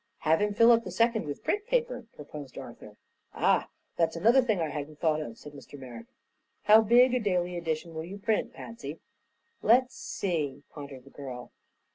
"Have him fill up the second with print paper," proposed Arthur. "Ah; that's another thing I hadn't thought of," said Mr. Merrick. "How big a daily edition will you print, Patsy?" "Let's see," pondered the girl.